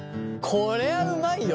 これはうまいよ